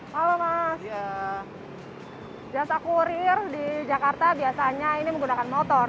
halo mas jasa kurir di jakarta biasanya ini menggunakan motor